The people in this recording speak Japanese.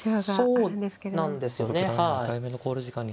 そうなんですよねはい。